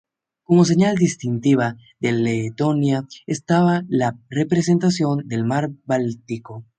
Como señal distintiva de Letonia estaba la representación del mar Báltico.